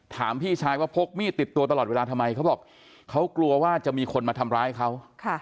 พี่ชายว่าพกมีดติดตัวตลอดเวลาทำไมเขาบอกเขากลัวว่าจะมีคนมาทำร้ายเขา